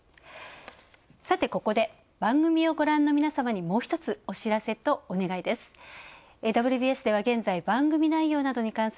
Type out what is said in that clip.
さて、ここで番組をご覧の皆様にもうひとつお知らせとお願いです。